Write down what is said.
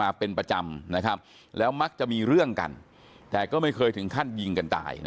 อายุ๑๐ปีนะฮะเขาบอกว่าเขาก็เห็นถูกยิงนะครับ